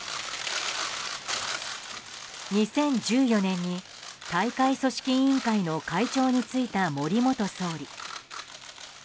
２０１４年に大会組織委員会の会長に就いた森元総理。